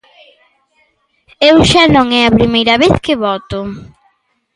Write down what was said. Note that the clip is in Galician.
Eu xa non é a primeira vez que voto.